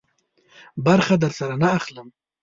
برخه درسره نه اخلم.